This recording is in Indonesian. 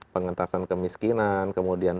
pengentasan kemiskinan kemudian